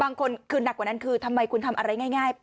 บางคนคือนักกว่านั้นคือทำไมคุณทำอะไรง่าย